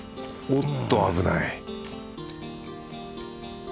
おっと危ない